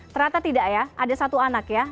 ternyata tidak ya ada satu anak ya